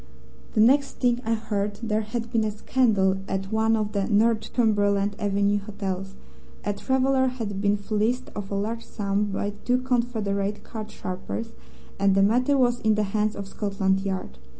The next thing I heard there had been a scandal at one of the Northumberland Avenue hotels: a traveller had been fleeced of a large sum by two confederate card sharpers, and the matter was in the hands of Scotland Yard.